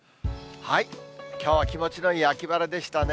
きょうは気持ちのいい秋晴れでしたね。